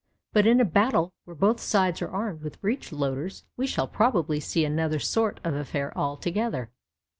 But in a battle where both sides are armed with breech loaders, we shall probably see another sort of affair altogether.